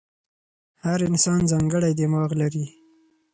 هر انسان ځانګړی دماغ لري.